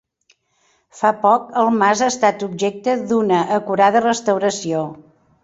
Fa poc, el mas ha estat objecte d'una acurada restauració.